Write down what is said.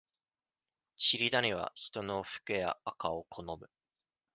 チリダニは、人のフケや、アカを好む。